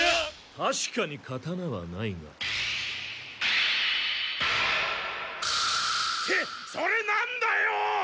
確かに刀はないが。ってそれなんだよ？